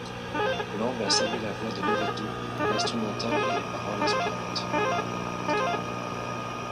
Lamb a salué la voix de Lovato, l'instrumental et les paroles inspirantes.